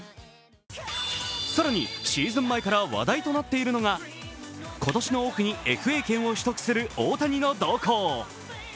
更にシーズン前から話題となっているのが今年のオフにＦＡ権を取得する大谷の動向。